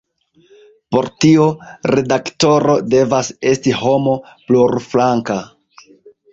Por tio, redaktoro devas esti homo plurflanka.